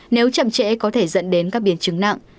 nếu chậm trễ có thể dẫn đến các biến chứng nặng